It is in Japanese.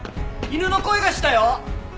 犬の声がしたよ！